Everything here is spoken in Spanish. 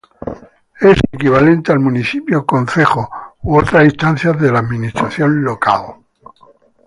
Es equivalente al municipio o concejo u otras instancias de administración local.